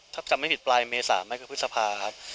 ถ้าจำไม่ผิดปลายเมษานั่นคือพฤษภาครับ